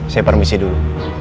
saya permisi dulu